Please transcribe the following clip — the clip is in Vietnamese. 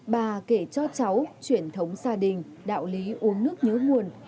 bà kể cho cháu truyền thống gia đình đạo lý uống nước nhớ nguồn